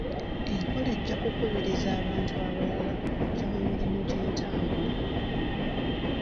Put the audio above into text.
Enkola ejja kukubiriza abantu abalala okujja mu mirimu gy'entambula.